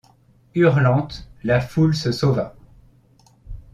Hurlante, la foule se sauva.